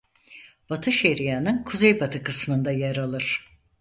Batı Şeria'nın kuzeybatı kısmında yer alır.